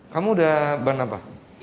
kamu udah berapa